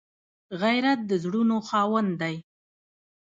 غیرت د زړونو خاوند دی